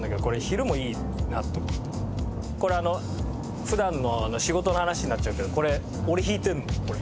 これあの普段の仕事の話になっちゃうけどこれ俺弾いてるのこれ。